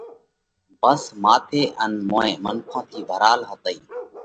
ڀس ماٿئہ ان موئين منکون ٿِي ڀرال هتئِي۔